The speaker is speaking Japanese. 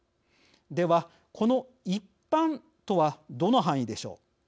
ではこの一般とはどの範囲でしょう。